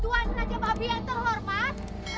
tuhan raja babi yang terhormat